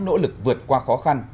nỗ lực vượt qua khó khăn